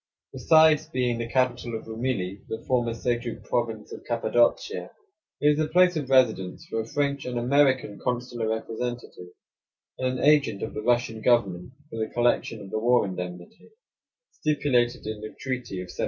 Besides being the capital of Rumili, the former Seljuk province of Cappadocia, it is the place of residence for a French and American consular representative, and an agent of the Russian government for the collection of the war indemnity, stipulated in the treaty of '78.